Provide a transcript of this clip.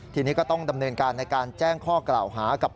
ทีนี้ก็ต้องดำเนินการในการแจ้งข้อกล่าวหากับ